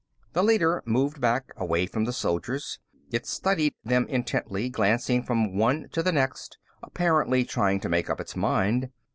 The leader moved back, away from the soldiers. It studied them intently, glancing from one to the next, apparently trying to make up its mind.